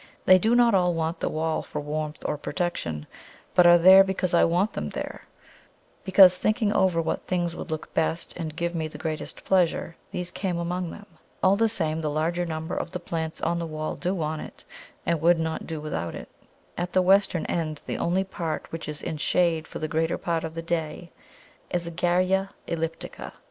They do not all want the wall for warmth or protection, but are there because I want them there; because, thinking over what things would look best and give me the greatest pleasure, these came among them. All the same, the larger number of the plants on the wall do want it, and would not do without it. At the western end, the only part which is in shade for the greater part of the day, is a Garrya elliptica.